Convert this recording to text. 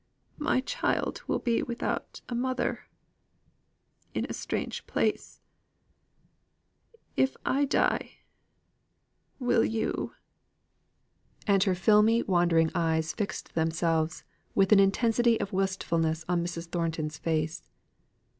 My child will be without a mother; in a strange place, if I die will you" And her filmy wandering eyes fixed themselves with an intensity of wistfulness on Mrs. Thornton's face.